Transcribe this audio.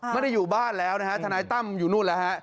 ไม่ได้อยู่บ้านแล้วนะฮะทนายตั้มอยู่นู่นแล้วฮะ